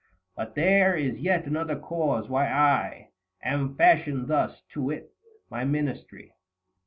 But there is yet another cause why I Am fashioned thus, to wit, my Ministry.